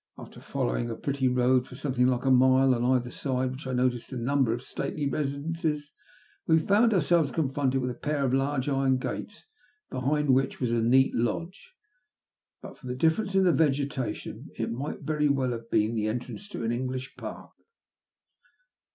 After following a pretty road for something like a mile, on either side of which I noticed a namber of stately residences, we foand oarselves confronted with a pair of large iron gates, behind which was a neat lodge. Bat for the difference in the vegetation, it might very well have been the entrance to an English park.